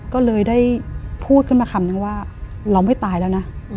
ก็เลยได้พูดขึ้นมาคำนึงว่าเราไม่ตายแล้วนะ